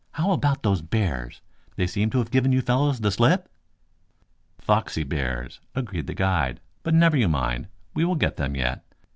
"How about those bears? They seem to have given you fellows the slip?" "Foxy bears," agreed the guide. "But never you mind. We will get them yet.